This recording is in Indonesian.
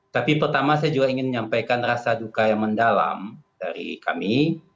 tapi pertama saya juga ingin menyampaikan rasa duka yang mendalam dari kami